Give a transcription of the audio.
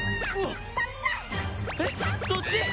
えっそっち！？